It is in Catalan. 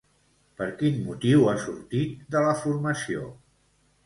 Per quin motiu ha sortit de la formació?